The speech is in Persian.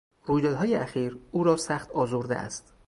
رویدادهای اخیر او را سخت آزرده است.